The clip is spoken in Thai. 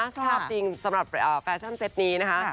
ชอบจริงสำหรับแฟชั่นเซ็ตนี้นะคะ